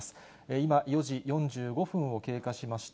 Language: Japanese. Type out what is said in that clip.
今、４時４５分を経過しました。